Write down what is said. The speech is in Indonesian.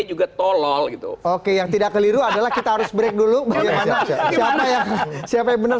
juga tolol gitu oke yang tidak keliru adalah kita harus break dulu bagaimana siapa yang siapa yang benar